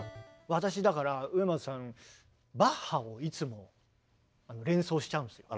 私だから植松さんバッハをいつも連想しちゃうんですよ。